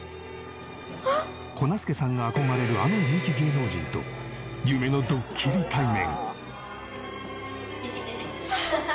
粉すけさんが憧れるあの人気芸能人と夢のドッキリ対面。